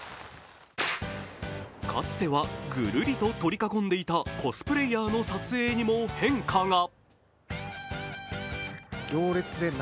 かつてはぐるりと取り囲んでいたコスプレーヤーの撮影にも変化が。